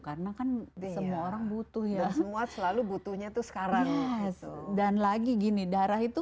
karena kan semua orang butuh ya semua selalu butuhnya tuh sekarang dan lagi gini darah itu